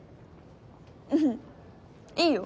うんいいよ。